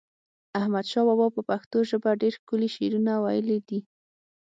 احمد شاه بابا په پښتو ژپه ډیر ښکلی شعرونه وایلی دی